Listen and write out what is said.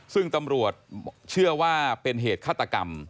ซึ่งตำรวจเชื่อว่าเป็นเหตุฆาตกรรม